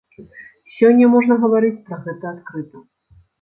Сёння можна гаварыць пра гэта адкрыта.